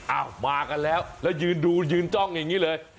อ้าวมากันแล้วแล้วยืนดูยืนจ้องอย่างนี้เลย